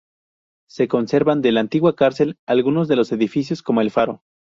Se conservan, de la antigua cárcel, algunos de los edificios como el faro.